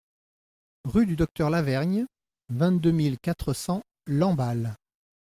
Rue du Docteur Lavergne, vingt-deux mille quatre cents Lamballe